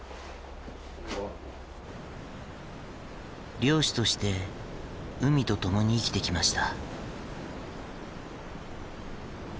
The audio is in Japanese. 漁師として海と共に生きてきました。